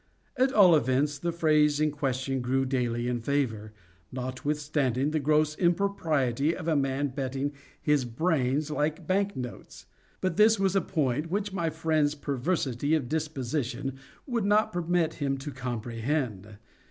At all events the phrase in question grew daily in favor, notwithstanding the gross impropriety of a man betting his brains like bank notes—but this was a point which my friend's perversity of disposition would not permit him to comprehend.